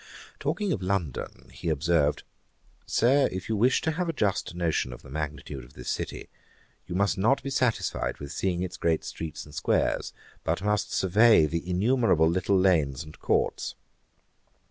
] Talking of London, he observed, 'Sir, if you wish to have a just notion of the magnitude of this city, you must not be satisfied with seeing its great streets and squares, but must survey the innumerable little lanes and courts.